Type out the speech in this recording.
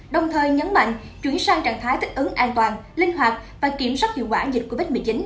đồng thời nhấn mạnh chuyển sang trạng thái tích ứng an toàn linh hoạt và kiểm soát hiệu quả dịch covid một mươi chín